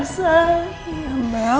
aku tau kamu itu baik baik aja